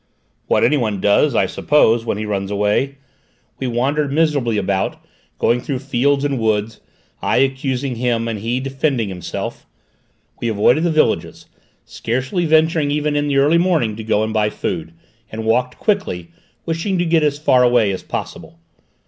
"What anyone does, I suppose, when he runs away. We wandered miserably about, going through fields and woods, I accusing him and he defending himself. We avoided the villages, scarcely venturing even in the early morning to go and buy food, and walked quickly, wishing to get as far away as possible.